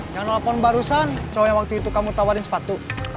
yang nelfon barusan cowok yang waktu itu kamu tawarin sepatu